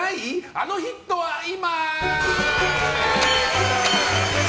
あのヒットは今。